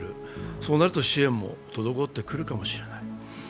そうなると支援も滞ってくるかもしれない。